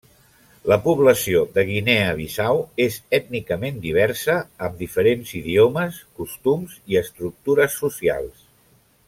La població de Guinea Bissau és ètnicament diversa amb diferents idiomes, costums i estructures socials.